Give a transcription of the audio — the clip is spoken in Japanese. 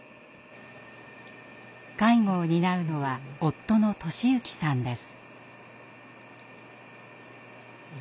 介護を担うのは夫の寿之さんです。